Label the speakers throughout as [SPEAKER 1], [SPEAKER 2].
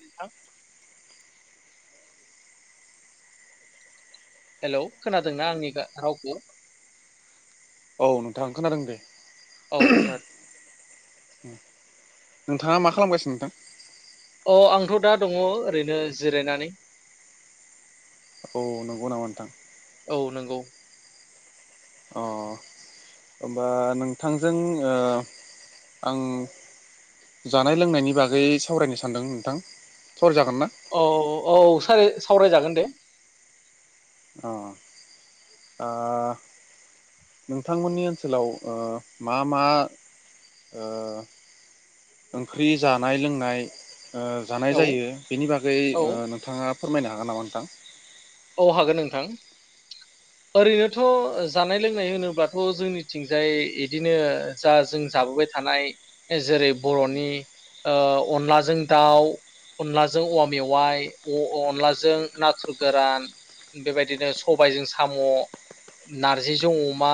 [SPEAKER 1] नोंथां हेल' खोना दोंना आंनि गा रावखौ?
[SPEAKER 2] औ नोंथां खोनादों दे।
[SPEAKER 1] औ सार [unintelligible]
[SPEAKER 2] नोंथाङा मा खालाम गासिनो नोंथां?
[SPEAKER 1] अ आंथ' दा दङ ओरैनो जिराय नानै।
[SPEAKER 2] औ नंगौ नामा नोंथां [unintelligible]
[SPEAKER 1] नोंगौ।
[SPEAKER 2] अ होमबा नोंथां जों ओ आं जानाय लोंनायनि बागै सावरायनो सानदों नोंथां। हर जागोन ना?
[SPEAKER 1] औ औ सार सावराय जागोन दे।
[SPEAKER 2] अ नोंथां मोननि ओनसोलाव ओ मा मा ओ ओंख्रि जानाय लोंनाय ओ जानाय
[SPEAKER 1] औ
[SPEAKER 2] जायो बिनि बागै
[SPEAKER 1] औ
[SPEAKER 2] नोंथाङा फोरमायनो हागोन नामा नोंथां?
[SPEAKER 1] औ हागोन नोंथां ओरै नोथ' जानाय लोंनाय होनो बाथ' जोंन थिंजाय बिदिनो जा जों जाबोबाय थानाय जेरै बर'नि ओ अनलाजों दाउ, अनलाजों औवा मेवाइ, अ अनलाजों नाथुर गोरान बेबायदिनो सबायजों साम', नारजिजों अमा,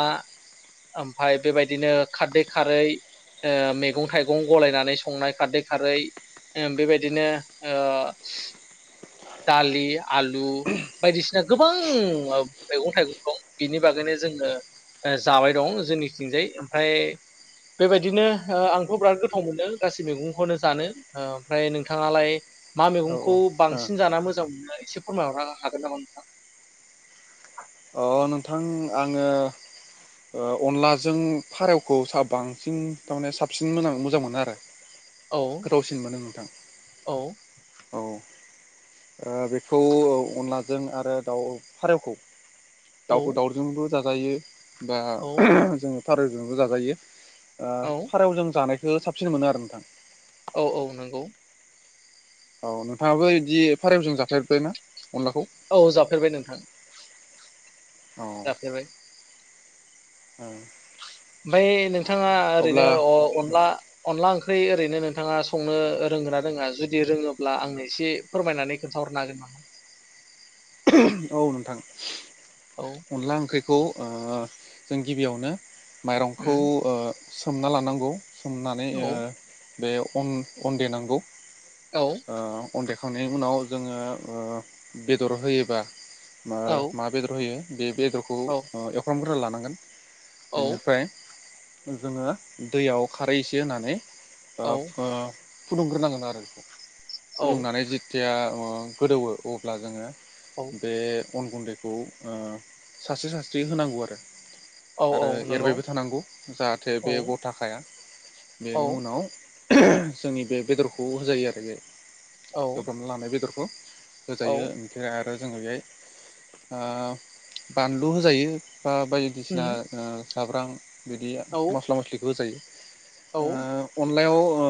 [SPEAKER 1] ओमफ्राय बेबायदिनो खारदै खारै मैगं थाइगं गलायनानै संनाय खारदै खारै बेबायदिनो ओ दालि आलु बायदिसिना गोबां ओ मैगं थाइगं दं बिनि बागैनो जोङो जाबाय दं जोंनि थिंजाय ओमफ्राय बेबायदिनो आंथ' बिराद गोथाव मोनो गासै मैगं खौनो जानो ओमफ्राय नोंथाङा लाय मा
[SPEAKER 2] औ
[SPEAKER 1] मैगंखौ
[SPEAKER 2] औ
[SPEAKER 1] बांसिन सिन जाना मोजां मोना एसे फोरमाय हरनो हागोन नामा नोंथां?
[SPEAKER 2] ओ अ नोंथां आङो अनलाजों फारौखौ सा बांसिन थारमाने साबसिन मोजां मोनो आरो।
[SPEAKER 1] औ
[SPEAKER 2] गोथाव सिन मोनो नोंथां।
[SPEAKER 1] औ
[SPEAKER 2] औ ओ बेखौ अनलाजों आरो दाउ फारौखौ
[SPEAKER 1] औ
[SPEAKER 2] दाव दावर जोंबो जाजायो दा
[SPEAKER 1] औ
[SPEAKER 2] जों [unintelligible] जाजायो ओ
[SPEAKER 1] औ
[SPEAKER 2] फारौजों जानाय खो साबसिन मोनो आरो नोंथां।
[SPEAKER 1] औ औ नंगौ।
[SPEAKER 2] औ नोंथाङाबो बिदि फारेवजों जाफेरबाय ना?
[SPEAKER 1] औ जाफेरबाय नोंथां।
[SPEAKER 2] औ
[SPEAKER 1] जाफेरबाय। ओमफाय नों थाङा ओरैनो
[SPEAKER 2] अब्ला
[SPEAKER 1] ओ अनला अनला ओं ख्रै ओरैनो नोंथाङा संनो रोंगोन ना रोङा जुदि रोङोब्ला आंनो एसे फोरमायनानै खोन्थाहरनो हागोन नामा?
[SPEAKER 2] औ नोंथां।
[SPEAKER 1] औ
[SPEAKER 2] अनला ओंख्रि खौ ओ जों गिबियावनो माइरंखौ
[SPEAKER 1] उम
[SPEAKER 2] ओ सोमना लानांगौ। सोमनानै ओ
[SPEAKER 1] औ
[SPEAKER 2] बे अन अन देनांगौ।
[SPEAKER 1] औ
[SPEAKER 2] ओ अन देखांनायनि उनाव जोङो ओ बेदर होयोबा मा
[SPEAKER 1] औ
[SPEAKER 2] मा बेदर होयो बे बेदरखौ
[SPEAKER 1] औ
[SPEAKER 2] ओ एवफ्रामग्रोना ला नांगोन।
[SPEAKER 1] औ
[SPEAKER 2] इनिफ्राय जोङो दैयाव खारै एसे होनानै ओ
[SPEAKER 1] औ
[SPEAKER 2] फो फुदुंग्रोनांगोन आरो बेखौ
[SPEAKER 1] औ
[SPEAKER 2] फुदुंनानै जि तिया ओ गोदौवो अब्ला जोङो
[SPEAKER 1] औ
[SPEAKER 2] बे अन गुन्दैखौ ओ सास्रि सास्रि होनांगौ आरो
[SPEAKER 1] औ
[SPEAKER 2] आरो
[SPEAKER 1] औ नंगौ
[SPEAKER 2] एरबायबो थानांगौ जाहाथे
[SPEAKER 1] औ
[SPEAKER 2] बे गथाखाया
[SPEAKER 1] औ
[SPEAKER 2] बेनि उनाव जोंनि बे बेदरखौ होजायो आरो बे
[SPEAKER 1] औ
[SPEAKER 2] एवफ्रामना लानाय बेदर खौ
[SPEAKER 1] औ
[SPEAKER 2] होजायो ओमफ्राय आरो जोङो बेहाय ओ बानलु होजायो ओ बायदिसिना
[SPEAKER 1] उम
[SPEAKER 2] ओ जाब्रां बिदि
[SPEAKER 1] औ
[SPEAKER 2] मस्ला मस्लिखौ होजायो।
[SPEAKER 1] औ
[SPEAKER 2] ओ अन लायाव ओ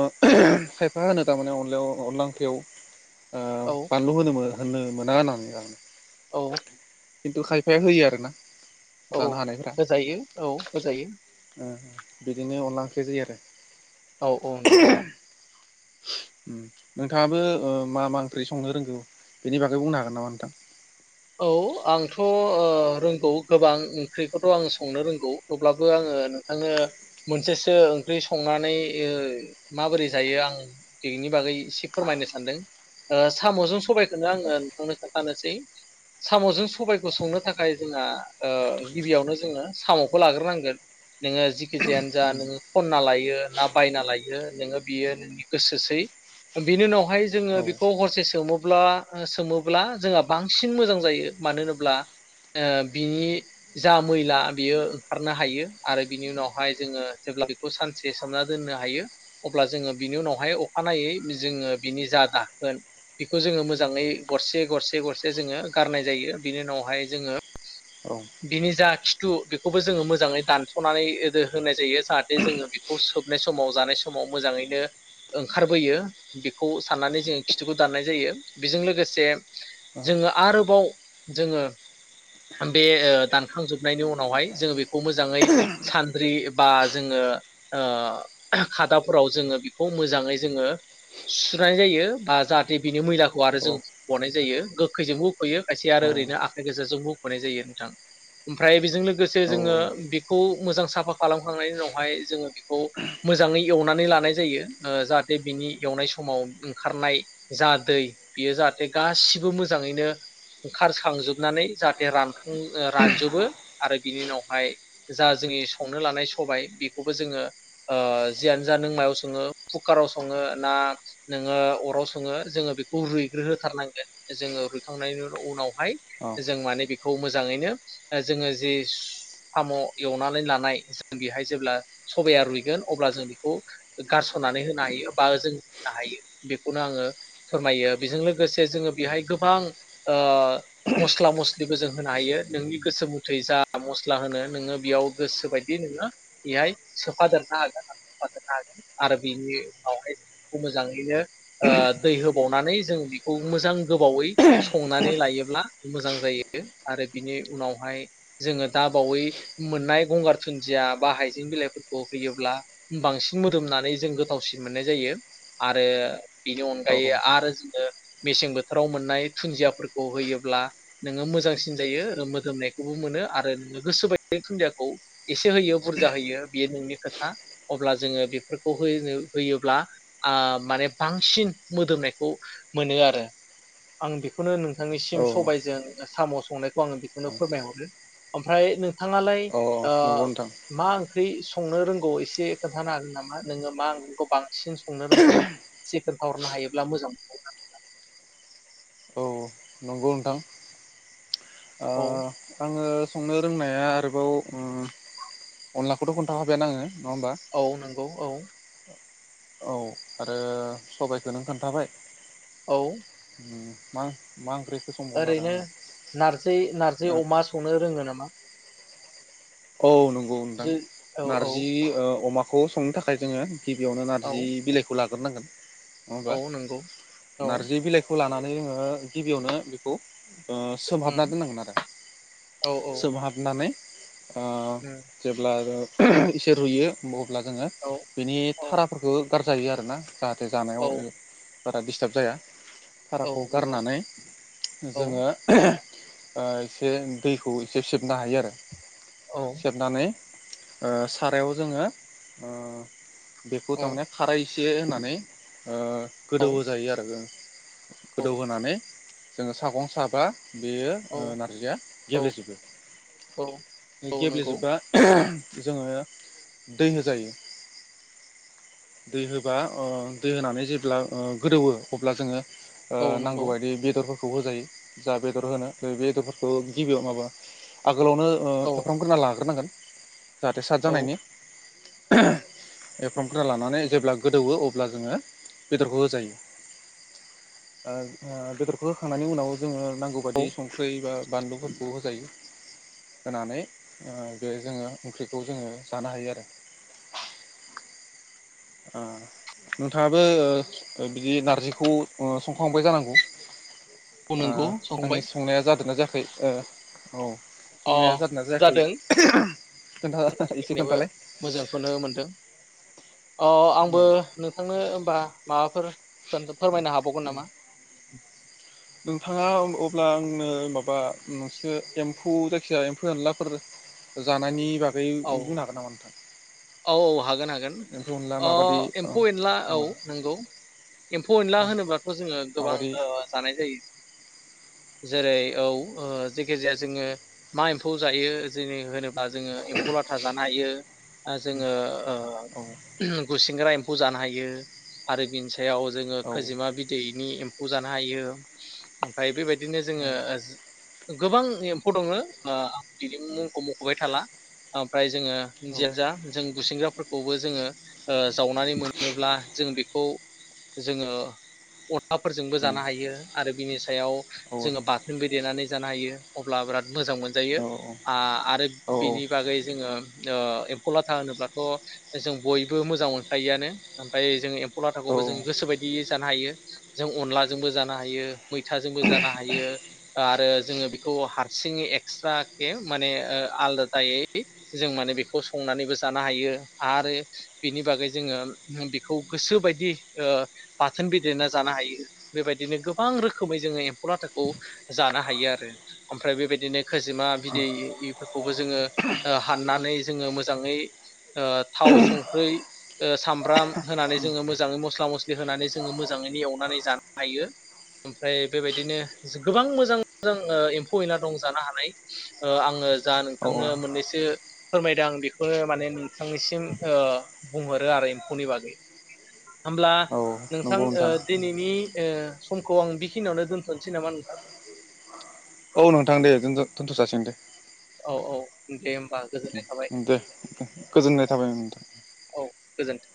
[SPEAKER 2] खायफा होनो थारमाने अनलायाव अनदला ओंख्रि ओ
[SPEAKER 1] औ
[SPEAKER 2] फानलु होनो मोना होननो मोना होननानै [inaudible]
[SPEAKER 1] औ
[SPEAKER 2] खिन्थु खायफाया होयो आरो ना।
[SPEAKER 1] औ होजायो औ होजायो।
[SPEAKER 2] ओ बिदिनो अनला ओंख्रि जायो आरो
[SPEAKER 1] औ औ नंगौ
[SPEAKER 2] उम नोंथाङाबो ओ मा मा ओंख्रि संनो रोंगौ बेनि बागै बुंनो हागोन नामा नोंथां?
[SPEAKER 1] औ आंथ ओ रोंगौ गोबां ओंख्रिखौथ आं संनो रोंगौ अब्लाबो आङो नोंथांनो मोनसेसो ओंख्रि संनानै ओ माबोरै जायो आं बेनि बागै एसे फोरमायनो सानदों। ओ सामजों सबायखौनो आङो नोंथांनो खिथानोसै सामजों सबायखौ संनो थाखाय जोंहा ओ गिबियावनो जोङो सामखौ लाग्रोनांगोन नोङो जिखिजायानो जा नोङो खनना लायो ना बायना लायो नोङो बियो नोंनि गोसोसै बिनि उनाव हाय जोङो बेखौ हरसे सोमो ब्ला सोमोब्ला जोंहा बांसिन मोजां जायो मानो होनोब्ला ओ बिनि जा मैला बेयो ओंखारनो हायो आरो बिनि उनावहाय जोङो जेब्ला बेखौ सानसे सोमना दोननो हायो अब्ला जोङो बिनि उनावहाय अखानायै जोङो बिनि जा दाखोन बेखौ जोङो मोजाङै गरसे गरसे गरसे जोङो गारनाय जायो बिनि उनावहाय जोङो
[SPEAKER 2] औ
[SPEAKER 1] बिनि जा खि टु बेखौबो जोङो मोजाङै दानसनानै ओदो होनाय जायो जाहाथे जोङो बेखौ सोबनाय समाव जानाय समाव मोजाङैनो ओंखारबोयो बेखौ साननानै जोङो खिथुखौ दाननाय जायो बेजों लोगोसे जोङो आरोबाव जोङो बे ओ दानखांजोबनायनि उनावहाय जोङो बेखौ मोजाङै सानद्रि बा जोङो ओ खादाफोराव जोङो बेखौ मोजाङै जोङो सुनाय जायो बा जाहाथे बिनि मैला आरो
[SPEAKER 2] औ
[SPEAKER 1] जों हुखनाय जायो गो खैजोंबो हुखयो खायसे
[SPEAKER 2] औ
[SPEAKER 1] आरो ओरैनो आखाइ गोजाजोंबो हुखनाय जायो नोंथां ओमफ्राय बेजों लो गोसे
[SPEAKER 2] औ
[SPEAKER 1] जोङो बे खौ मोजां साफा खालामखांनायनि उनावहाय जों बेखौ मोजाङै एवनानै लानाय जायो ओ जाहाथे बिनि एवनाय समाव ओंखारनाय जा दै बेयो जाहाथे गासिबो मो जाङैनो ओंखारसांजोबनानै जाहाथे रानखां ओ रानजोबो आरो बिनि उनावहाय जा जोंनि संनो लानाय सबाय बेखौबो जोङो ओ जियानो जा नों मायाव सङो कुकाराव सङो ना नोङो अराव सङो जोङो बेखौ रुइग्रोहोथारनांगोन जोङो रुइखांनायनि उनाव हाय जों माने बे खौ मोजाङैनो ओ जोङो जि साम एवनानै लानाय जों बेहाय जेब्ला सबाया रुइगोन अब्ला जों बेखौ गारसनानै होनो हायो बा जों होनो हायो बेखौनो आङो फोरमायो। बेजों लोगोसे जोङो बेहाय गोबां ओ मसला मस लिबो जों होनो हायो नोंनि गोसो मुथै जा मस्ला होनो नोङो बेयाव गोसो बायदि नोङो बेहाय सोफादेरनो हागोन सफादेरनो हागोन आरो बेनि उनावहाय जों बेखौ मोजाङैनो ओ दै होबाव नानै जों बेखौ मोजां गोबावै संनानै लायोब्ला मोजां जायो आरो बिनि उनावहाय जोङो दा बावै मोननाय गंगार धुनदिया बा हायजें बिलाइफोरखौ होयोब्ला बांसिन मोदोमनानै जों गोथावसिन मोननाय जायो आरो बेनि अनगायै आरो जोङो मेसें बो थोराव मोननाय धुन्दियाफोरखौ होयोब्ला नोङो मोजांसिन जायो मोदोमनायखौबो मोनो आरो नोंनि गोसो बायदि धुन्दियाखौ एसे होयो बुरजा होयो बे नोंनि खोथा अब्ला जोङो बेफोरखौ होयोब्ला ओ माने बांसिन मोदोमनायखौ मोनो आरो आं बेखौनो नों
[SPEAKER 2] औ
[SPEAKER 1] थांनिसिम सबायजों साम संनायखौ आङो बेखौनो फोरमायहरो ओमफ्राय नों थाङालाय
[SPEAKER 2] औ
[SPEAKER 1] ओ
[SPEAKER 2] नंगौ नोंथां
[SPEAKER 1] मा ओंख्रै संनो रोंगौ एसे खोन्थानो हागोन नामा नोङो मा ओंख्रिखौ बांसिन संनो रोंगौ इसे खोनथा हरनो हायोब्ला मोजां मोनगौमोन आं
[SPEAKER 2] औ नंगौ नोंथां। ओ
[SPEAKER 1] औ
[SPEAKER 2] आङो संनो रोंनाया आरोबाव उ अनलाखौथ' खोन्थााखाबायानो आङो होमबा
[SPEAKER 1] औ नंगौ औ
[SPEAKER 2] औ आरो सबायखौ नों खोन्थाबाय
[SPEAKER 1] औ
[SPEAKER 2] माग माग
[SPEAKER 1] ओरैनो नारजि नारजिअमा संनो रोङो नामा आ‌
[SPEAKER 2] औ नों औ थां
[SPEAKER 1] औ औ
[SPEAKER 2] नारजि ओ अमा ह संनो थाखाय जोङो गिबियावनो
[SPEAKER 1] औ
[SPEAKER 2] नारजि-बिलाइखौ लाग्रोनांगोन
[SPEAKER 1] औ
[SPEAKER 2] नङाहोनबा
[SPEAKER 1] नंगौ औ
[SPEAKER 2] नारजि बिलाइ लानानै जोङो गिबियावनो बेखौ ओ सोमहाबना
[SPEAKER 1] उम
[SPEAKER 2] दोननांगोन आरो
[SPEAKER 1] औ औ
[SPEAKER 2] सोमहाबनानै आ
[SPEAKER 1] उम
[SPEAKER 2] जेब्ला आरो [unintelligible] एसे रुइयो अ अब्ला जोङो
[SPEAKER 1] औ
[SPEAKER 2] बेनि
[SPEAKER 1] औ
[SPEAKER 2] थाराफोरखो गारजायो आरो ना। जाहाथे जानायाव
[SPEAKER 1] औ
[SPEAKER 2] बारा दिसथाब जाया
[SPEAKER 1] औ
[SPEAKER 2] हाराखौ
[SPEAKER 1] नंगौ
[SPEAKER 2] गारनानै
[SPEAKER 1] औ
[SPEAKER 2] जोङो ओ एसे दैखौ एसे सेबनो हायो आरो
[SPEAKER 1] औ
[SPEAKER 2] सेबनानै ओ सारायाव जोङो ओ बेखौ
[SPEAKER 1] औ
[SPEAKER 2] थारमाने फारै से होनानै ओ
[SPEAKER 1] औ
[SPEAKER 2] गोदौ होजायो आरो [unintelligible]
[SPEAKER 1] औ
[SPEAKER 2] गोदौ होनानै जोङो सागं साबा बेयो
[SPEAKER 1] औ
[SPEAKER 2] ओ नारजिया गेब्लेजोबो
[SPEAKER 1] औ
[SPEAKER 2] बे
[SPEAKER 1] औ नंगौ
[SPEAKER 2] गेब्लेेजोबा ओ जोङो दै होजायो दै होबा ओ दै होनानै जेब्ला गोदौओ अब्ला जोङो ओ
[SPEAKER 1] औ
[SPEAKER 2] नांगौ
[SPEAKER 1] नंगौ
[SPEAKER 2] बायदि बेदरफोरखौ खौ होजायो जा बेदर होनो बेदरफोरखौ गिबियाव माबा आगोलावनो ओ
[SPEAKER 1] औ
[SPEAKER 2] देफ्राम ग्रोना लाग्रोनांगोन जाहाथे साद
[SPEAKER 1] औ
[SPEAKER 2] जानायनि
[SPEAKER 1] औ
[SPEAKER 2] एफ्रामफोरा लानानै जेब्ला गोदौवो अब्ला जोङो बेदरखौ होजायो ओ बेदरखौ होखांनायनि उनाव जोङो नांगौ
[SPEAKER 1] औ
[SPEAKER 2] बायदि संख्रै बा बानलुफोरखौ होजायो होनानै ओ बे जोङो ओंख्रिखौ जोङो जानो हायो आरो ओ नोंथांङाबो ओ बिदि नारजिखौ ओ संखांबाय जानांगौ!
[SPEAKER 1] औ
[SPEAKER 2] ओ
[SPEAKER 1] नंगौ
[SPEAKER 2] आंनि
[SPEAKER 1] संबाय
[SPEAKER 2] संनाया जादोंना जायाखै ओ [inaudible] औ
[SPEAKER 1] अ
[SPEAKER 2] संनाया जादोंना जायाखै
[SPEAKER 1] जादों
[SPEAKER 2] खोन्था एसे
[SPEAKER 1] आंनियाबो
[SPEAKER 2] खोन्थालाय।
[SPEAKER 1] अह
[SPEAKER 2] औ
[SPEAKER 1] आंबो नोंथांनो होमबा माबाफोर फोरमायनो हाबावगोन नामा?
[SPEAKER 2] नोंथाङा अब्ला आंनो माबा नोंसोर एम्फौ जायखिजाया एम्फौ एनलाफोर जानायनि बागै
[SPEAKER 1] औ
[SPEAKER 2] बुंनो हागोन नामा नोंथां
[SPEAKER 1] औ औ हागोन हागोन
[SPEAKER 2] एम्फौ एनला
[SPEAKER 1] ओ
[SPEAKER 2] माबादि औ
[SPEAKER 1] एम्फौ एनला औ नंगौ एम्फौ एनला
[SPEAKER 2] औ
[SPEAKER 1] होनोब्लाथ' जोङो गोबां
[SPEAKER 2] माबादि
[SPEAKER 1] ओ जानाय जायो। जेरै औ जेखि जाया जोङो मा एम्फौ जायो जि होनोब्ला बा जोङो थाजान नायो। ओ जोङो
[SPEAKER 2] औ
[SPEAKER 1] ओ गुसिंग्रा एम्फ खौ जानो हायो आरो बेनि सा याव जोङो
[SPEAKER 2] औ
[SPEAKER 1] खोजिमा बिदैनि ए् खौ जानो हायो ओमफ्राय बे बायदि बिदिनो जोङो ओ गोबां एम्फौ दङ ओ बिदि मुंखौ मख'बाय थाला ओमफ्राय जोङो जिया जा जों गुसिंग्राफोरखौ बो जोङो ओ जावनानै मोनोब्ला जों बेखौ जोङो अ खा फोरजोंबो जानो हायो आरो बिनि सायाव
[SPEAKER 2] औ
[SPEAKER 1] जोङो बाथोनबो देनानै जानो हायो अब्ला बिराद मोजां मोनजायो आ आरो
[SPEAKER 2] औ
[SPEAKER 1] बिनि बागै जोङो ओ एम्फौ लाथा होनोब्लाथ' जों बयबो मोजां मोनखायोआनो ओमफ्राय जों एम्फौ लाथाखौबो जों गोसोबायदियै जानो हायो जों अनलाजोंबो जानो हायो, मैथाजोंबो जानो हायो आरो जोङो बेखौ हारसिङै एक्सट्राखे माने ओ आलादायै जों माने बेखौ संनानैबो जानो हायो आरो बिनि बागै जोङो बेखौ गोसो बायदि ओ बाथोनबो देना जानो हायो बेबायदिनो गोबां रोखोमै जोङो एम्फौ लाथाखौ जानो हायो आरो ओमफ्राय बेबायदिनो खोजिमा बिदै बेफोर खौबो जोङो ओ हाननानै जोङो मोजाङै ओ थाव संख्रै ओ सामब्राम होनानै जोङो मोजाङै मस्ला-म स्लि होनानै जोङो मोजाङैनो एवनानै जानो हायो ओमफ्राय बेबायदिनो गोबां मोजां-मोजां ओ एम्फौ-एला दं जानो हानाय ओ आङो जा
[SPEAKER 2] औ
[SPEAKER 1] नोंथांनो मोननै सो फोरमायदों आं बेखौनो माने नोंथांनिसिम ओ बुंहरो आरो एम्फौनि बागै। होमब्ला
[SPEAKER 2] औ
[SPEAKER 1] नोंथां
[SPEAKER 2] नंगौ
[SPEAKER 1] ओ दिनैनि ओ समखौ आं बेखिनियावनो दोन्थ'नोसै नामा नोंथां।
[SPEAKER 2] औ नोंथां दे दोनथ'-दोनथ' जासिगोन दे।
[SPEAKER 1] औ-औ दे होमबा। गोजोननाय थाबाय
[SPEAKER 2] दे गोजोननाय थाबाय नोंथां।
[SPEAKER 1] गोजोन्थों।